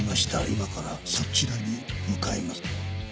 「今からそちらへ向かいます」